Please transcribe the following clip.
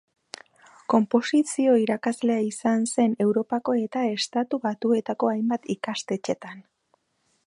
Konposizio-irakaslea izan zen Europako eta Estatu Batuetako hainbat ikastetxetan.